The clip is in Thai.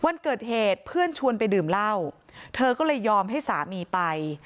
วันเกิดเหตุเพื่อนชวนไปดื่มเหล้าเธอก็เลยยอมให้สามีไป